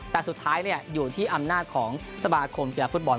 แต่สุดท้ายอยู่ที่อำนาจของสมาคมกีฬาฟุตบอล